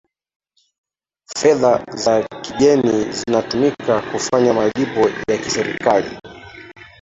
fedha za kigeni zinatumika kufanya malipo ya kiserikali